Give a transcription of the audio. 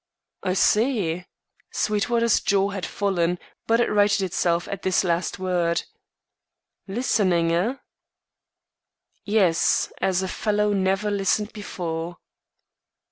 "I see." Sweetwater's jaw had fallen, but it righted itself at this last word. "Listening, eh?" "Yes as a fellow never listened before."